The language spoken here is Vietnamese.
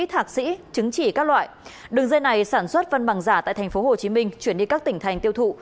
thạc sĩ chứng chỉ các loại đường dây này sản xuất văn bằng giả tại tp hcm chuyển đi các tỉnh thành tiêu thụ